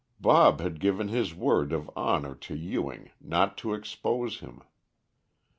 Bob had given his word of honor to Ewing not to expose him.